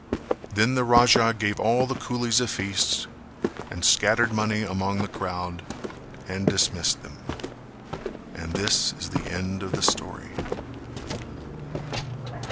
Then the Raja gave all the coolies a feast and scattered money among the crowd and dismissed them. And this is the end of the story.